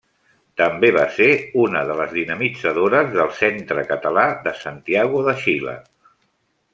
També va ser una de les dinamitzadores del Centre Català de Santiago de Xile.